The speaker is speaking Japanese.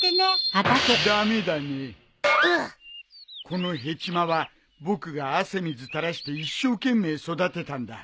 このヘチマは僕が汗水垂らして一生懸命育てたんだ。